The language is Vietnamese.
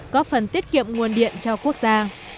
có phần tiết kiệm nguồn điện cho quốc gia